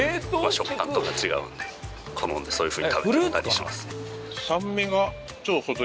食感とか違うので好んでそういうふうに食べてみたりしますね。